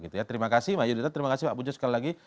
terima kasih pak yunita terima kasih pak apujo sekali lagi